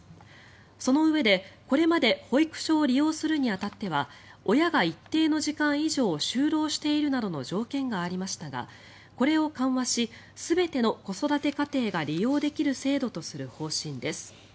そのうえで、これまで保育所を利用するに当たっては親が一定の時間以上就労しているなどの条件がありましたがこれを緩和し全ての子育て家庭が利用できる制度とする方針です。